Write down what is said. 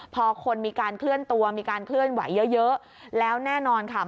พอคนมีการเคลื่อนตัวมีการเคลื่อนไหวเยอะแล้วแน่นอนค่ะ